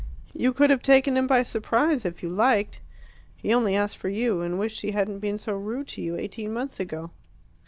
You could have taken him by surprise if you liked. He only asked for you, and wished he hadn't been so rude to you eighteen months ago."